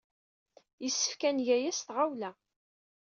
Yessefk ad neg aya s tɣawla.